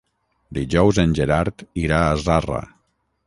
Dijous en Gerard irà a Zarra.